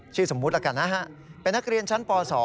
สมมุติแล้วกันนะฮะเป็นนักเรียนชั้นป๒